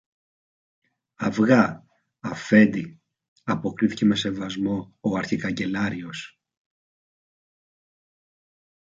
Αυγά, Αφέντη, αποκρίθηκε με σεβασμό ο αρχικαγκελάριος.